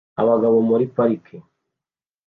Abagabo muri parike